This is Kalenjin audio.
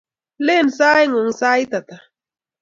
Len saing'ung' sait ata?